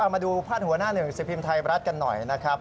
มาดูพาดหัวหน้าหนึ่งสิบพิมพ์ไทยรัฐกันหน่อยนะครับ